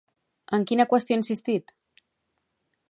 En quina qüestió ha insistit?